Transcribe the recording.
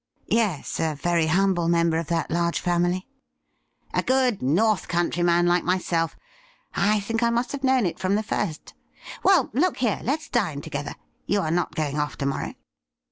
^' Yes, a very humble member of that large family,' MR, ALBERT EDWARD WALEY 39 ' A good North Country man, like myself. I think I ; must have known it from the first. Well, look here, let's dine together. You are not going off to morrow